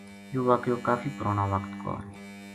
یوہ واقعو کافی پرانا وقت کو